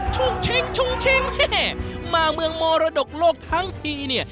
ชุ่งชิงชุ่งชิงแม่มาเมืองมรดกโลกทั้งทีเนี่ย